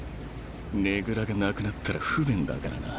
ねぐらがなくなったら不便だからな。